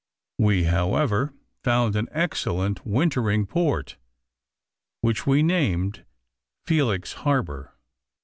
We, however, found an excellent wintering port, which we named Felix Harbor.